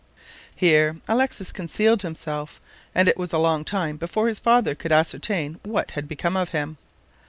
Here Alexis concealed himself, and it was a long time before his father could ascertain what had become of him.